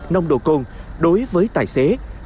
nông độ cồn đối với tài xế